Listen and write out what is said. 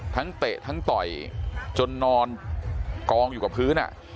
เตะทั้งต่อยจนนอนกองอยู่กับพื้น